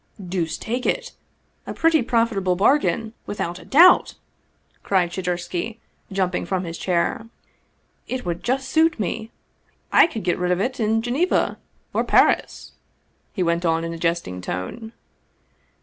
" Deuce take it ! A pretty profitable bargain, without a doubt !" cried Shadursky, jumping from his chair. " It would just suit me ! I could get rid of it in Geneva or Paris," he went on in a jesting tone.